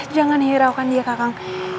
jangan hiraukan dia kakang